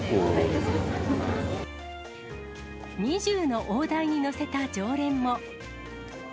２０の大台に乗せた常連も。